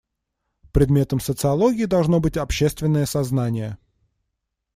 Предметом социологии должно быть общественное сознание.